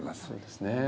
そうですね。